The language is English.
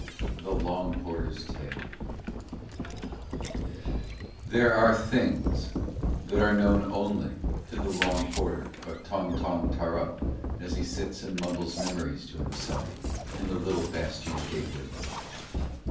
The Long Porter's Tale There are things that are known only to the long porter of Tong Tong Tarrup as he sits and mumbles memories to himself in the little bastion gateway.